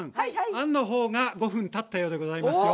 あんのほうが５分たったようでございますよ。